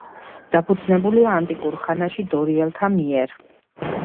დაფუძნებულია ანტიკურ ხანაში დორიელთა მიერ.